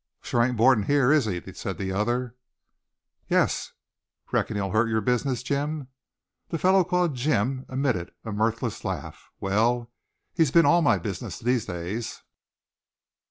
"Sho! Ain't boardin' heah, is he?" said the other. "Yes." "Reckon he'll hurt your business, Jim." The fellow called Jim emitted a mirthless laugh. "Wal, he's been all my business these days.